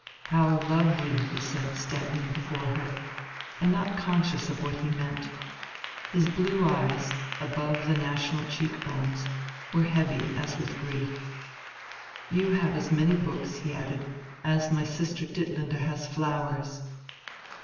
"How lovely!" he said, standing before her, and not conscious of what he meant. His blue eyes, above the national cheek bones, were heavy as with grief. "You have as many books," he added, "as my sister Ditlinde has flowers."